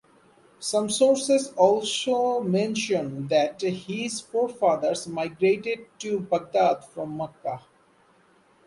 Some sources also mention that his forefathers migrated to Baghdad from Makkah.